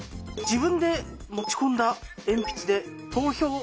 「自分で持ち込んだ鉛筆で投票」。